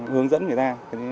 hướng dẫn người ta